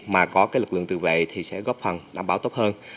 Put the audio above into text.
mà có lực lượng tự vệ thì sẽ góp phần đảm bảo tốt hơn